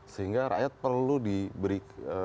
sehingga rakyat perlu diberi